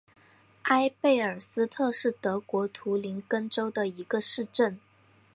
埃贝尔斯特是德国图林根州的一个市镇。